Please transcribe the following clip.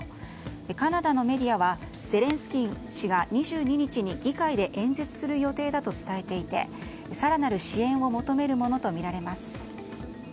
カナダのメディアはゼレンスキー氏が２２日に議会で演説する予定だと伝えていて更なる支援を求めるものとみられます。